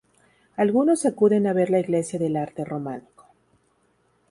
Algunos acuden a ver la Iglesia de arte Románico.